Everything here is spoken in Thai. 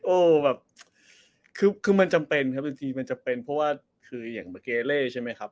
โอ้วแบบคือมันจำเป็นครับจริงมันจำเป็นเพราะว่าคืออย่างเมื่อกี๊เอเล่ใช่ไหมครับ